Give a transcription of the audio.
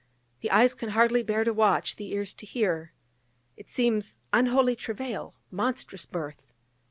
the eyes can hardly bear to watch, the ears to hear! it seems unholy travail, monstrous birth!